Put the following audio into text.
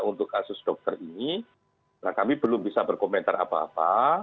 untuk kasus dokter ini kami belum bisa berkomentar apa apa